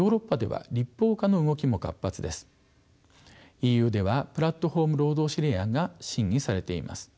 ＥＵでは「プラットフォーム労働指令」案が審議されています。